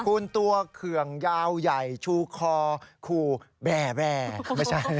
คุณตัวเคืองยาวใหญ่ชูคอคู่แบร์ไม่ใช่